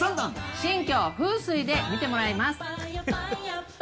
新居を風水で見てもらいます。